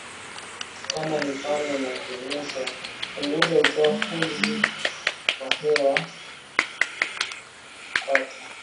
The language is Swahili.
kama mifano inavyoonyesha kupunguza uchafuzi wa hewa kutakuwa